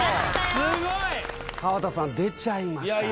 ・すごい！河田さん出ちゃいましたね